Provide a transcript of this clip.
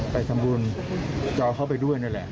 ไปสรรพบุญเราจะเอ้าเขาไปด้วยนี่แหละ